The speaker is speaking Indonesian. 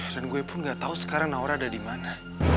dan gue pun gak tau sekarang naura ada di mana